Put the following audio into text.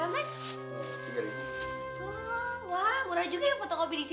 jangan lupa like share dan subscribe ya